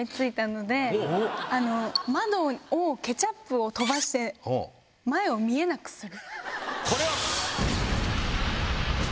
窓にケチャップを飛ばして前を見えなくする。